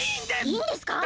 いいんですか！？